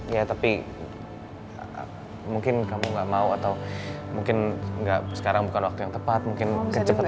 ya tapi mungkin kamu nggak mau atau mungkin sekarang bukan waktu yang tepat mungkin kecepatan